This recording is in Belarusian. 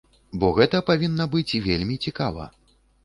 Бо гэта павінна быць вельмі цікава.